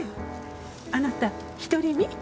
あなた独り身？